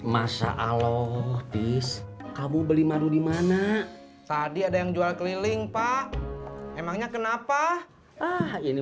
masa aloh this kamu beli madu dimana tadi ada yang jual keliling pak emangnya kenapa ah ini